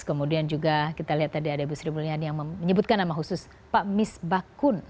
kemudian juga kita lihat tadi ada ibu sri mulyani yang menyebutkan nama khusus pak mis bakun